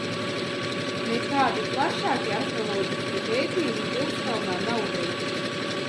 Nekādi plašāki arheoloģiskie pētījumi pilskalnā nav veikti.